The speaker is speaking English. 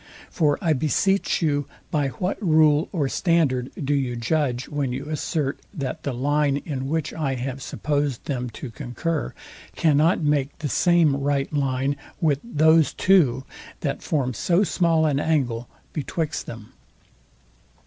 For, I beseech you, by what rule or standard do you judge, when you assert, that the line, in which I have supposed them to concur, cannot make the same right line with those two, that form so small an angle betwixt them?